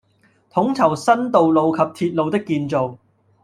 統籌新道路及鐵路的建造